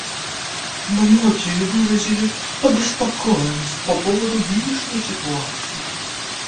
Многие выразили обеспокоенность по поводу нынешней ситуации.